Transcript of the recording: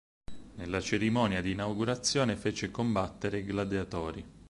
Nella cerimonia di inaugurazione fece combattere i gladiatori.